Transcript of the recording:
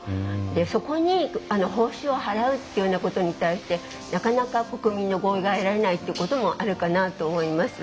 そこに、報酬を払うっていうようなところになかなか国民の合意が得られないということもあるかなと思います。